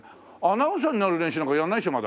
アナウンサーになる練習なんかやらないでしょ？